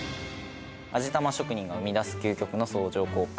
「味玉職人が生み出す究極の相乗効果」